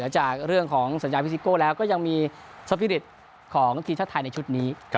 จากเรื่องของสัญญาพิซิโก้แล้วก็ยังมีสปีริตของทีมชาติไทยในชุดนี้